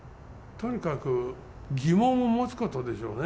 とにかく疑問を持つことでしょうね。